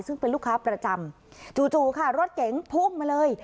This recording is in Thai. ซึ่งเป็นลูกค้าประจำจู่ค่ะรถเก๋งพุ่งมาเลย